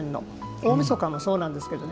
大みそかもそうなんですけどね。